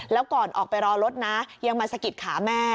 แล้วก่อนออกไปรอรถนะยังมาสะกิดขาแม่